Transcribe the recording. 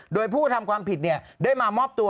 โดยผู้ทำความผิดเนี่ยได้มามอบตัว